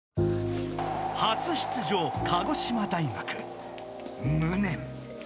［初出場鹿児島大学無念］